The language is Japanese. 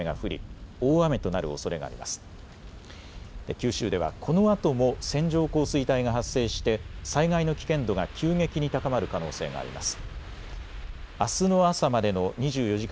九州ではこのあとも線状降水帯が発生して災害の危険度が急激に高まる可能性があります。